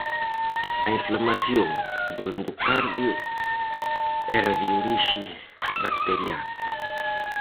A inflamación do endocardio era de orixe bacteriana.